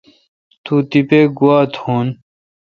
تو تیپہ گوا تھون۔